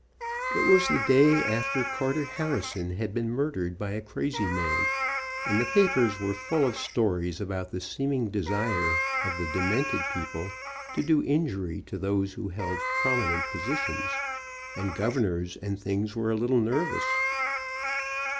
It was the day after Carter Harrison had been murdered by a crazy man, and the papers were full of stories about the seeming desire of the de mented people to do injury to those who held prom inent positions, and governors and things were a little nervous.